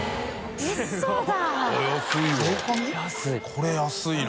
これ安いな。